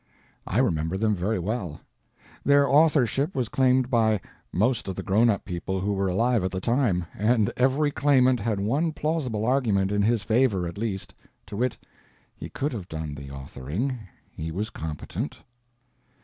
I remember them very well. Their authorship was claimed by most of the grown up people who were alive at the time, and every claimant had one plausible argument in his favor, at least—to wit, he could have done the authoring; he was competent.